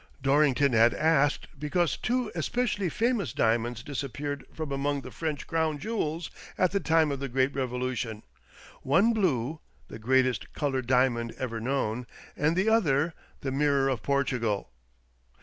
Dorrington had asked because two especially famous diamonds disappeared from among the French Crown jewels at the time of the great Bevolution. One blue, the greatest coloured diamond ever known, and the other the " Mirror of Portugal."